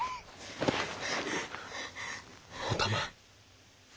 お玉。